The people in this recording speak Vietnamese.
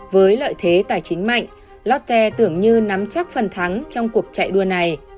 với lợi thế tài chính mạnh lotte tưởng như nắm chắc phần thắng trong cuộc chạy đua này